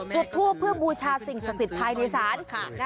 จุดทูปเพื่อบูชาสิ่งศักดิ์สิทธิ์ภายในศาล